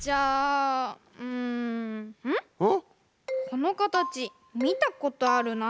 このかたちみたことあるな。